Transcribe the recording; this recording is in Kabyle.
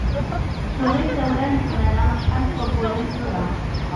Tuɣ-it tawla n leḥmala acḥal n wagguren tura.